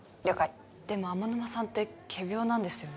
でも天沼さんって仮病なんですよね